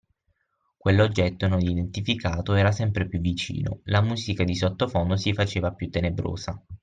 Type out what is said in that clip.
Quell’oggetto non identificato era sempre più vicino, la musica di sottofondo si faceva più tenebrosa